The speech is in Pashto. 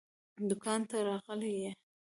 دوکان ته راغلی يې؟